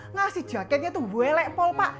ngasih jaketnya tuh buelek pol pak